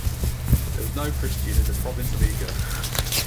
There was no Christian in the province of Iga.